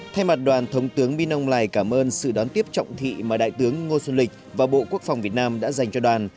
thay mặt đoàn thống tướng minh âu lài cảm ơn sự đón tiếp trọng thị mà đại tướng ngô xuân lịch và bộ quốc phòng việt nam đã dành cho đoàn